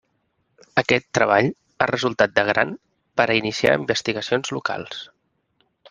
Aquest treball ha resultat de gran per a iniciar investigacions locals.